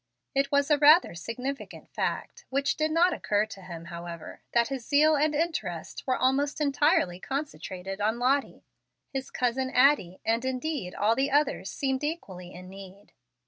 It was a rather significant fact, which did not occur to him, however, that his zeal and interest were almost entirely concentrated on Lottie. His cousin Addie, and indeed all the others, seemed equally in need.